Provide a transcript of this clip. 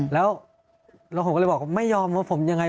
แล้วผมก็เลยบอกว่าไม่ยอมว่าผมยังไง